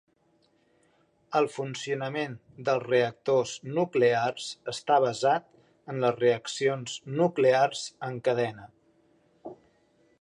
El funcionament dels reactors nuclears està basat en les reaccions nuclears en cadena.